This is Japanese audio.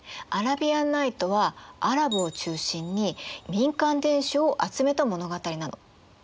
「アラビアンナイト」はアラブを中心に民間伝承を集めた物語なの。